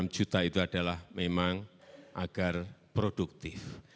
delapan juta itu adalah memang agar produktif